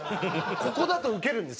ここだとウケるんです